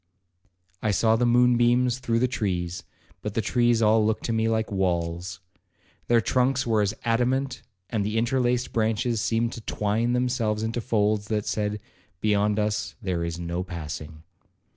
I saw the moon beams through the trees, but the trees all looked to me like walls. Their trunks were as adamant, and the interlaced branches seemed to twine themselves into folds that said, 'Beyond us there is no passing.'